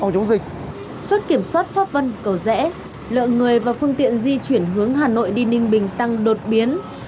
chốt kiểm soát pháp vân cầu rẽ lượng người và phương tiện di chuyển hướng hà nội đi ninh bình tăng đột biến